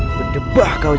berdebah kau jagatwira